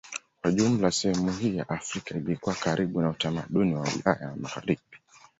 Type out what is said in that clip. Kwa jumla sehemu hii ya Afrika ilikuwa karibu na utamaduni wa Ulaya ya Magharibi.